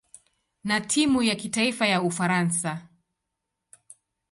na timu ya kitaifa ya Ufaransa.